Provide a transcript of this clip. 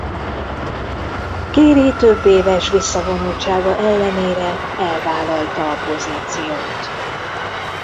Kéry több éves visszavonultsága ellenére elvállalta a pozíciót.